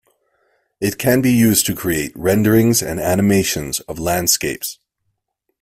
It can be used to create renderings and animations of landscapes.